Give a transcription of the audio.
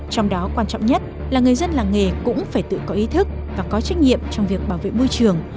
trong đó quan trọng nhất là người dân làng nghề cũng phải tự có ý thức và có trách nhiệm trong việc bảo vệ môi trường